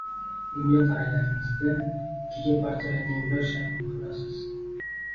Unga qaraganingizda ikkiga parchalangan yurak shaklini ko‘rasiz.